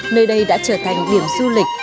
nơi đây đã trở thành điểm du lịch